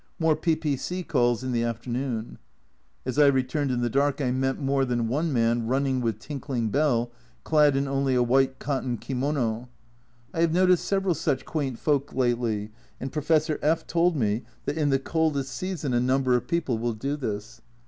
More P.P.C. calls in the afternoon. As I returned in the dark I met more than one man running with tinkling bell, clad in only a white cotton kimono. I have noticed several such quaint folk lately, and Professor F told me that in the coldest season a number of people will do this.